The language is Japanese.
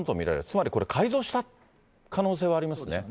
つまりこれ、改造した可能性がありますね。